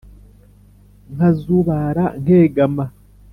nkazubara nkegama